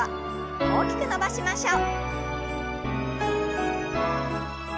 大きく伸ばしましょう。